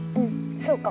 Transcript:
そうかも。